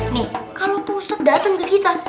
nih kalau pusat datang ke kita